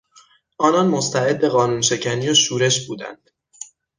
آنان مستعد قانون شکنی و شورش بودند.